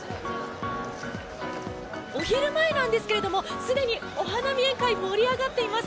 お昼前なんですけどもすでにお花見宴会盛り上がっています。